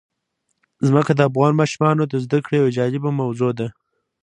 ځمکه د افغان ماشومانو د زده کړې یوه جالبه موضوع ده.